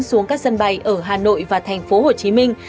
xuống các sân bay ở hà nội và thành phố hồ chí minh